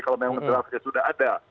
kalau memang draftnya sudah ada